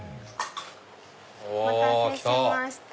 お待たせしました